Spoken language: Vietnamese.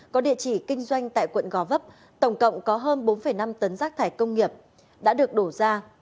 có địa chỉ kinh doanh tại quận gò vấp tổng cộng có hơn bốn năm tấn rác thải công nghiệp đã được đổ ra